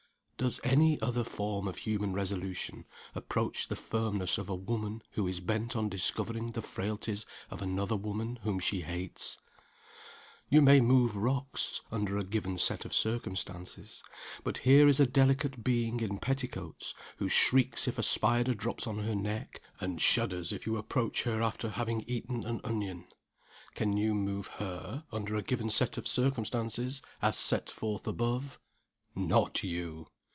Does any other form of human resolution approach the firmness of a woman who is bent on discovering the frailties of another woman whom she hates? You may move rocks, under a given set of circumstances. But here is a delicate being in petticoats, who shrieks if a spider drops on her neck, and shudders if you approach her after having eaten an onion. Can you move her, under a given set of circumstances, as set forth above? Not you!